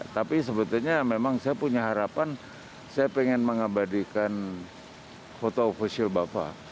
tapi sebetulnya memang saya punya harapan saya pengen mengabadikan foto official bapak